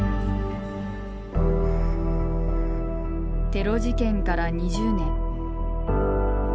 テロ事件から２０年。